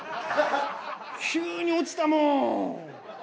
急に落ちたもん！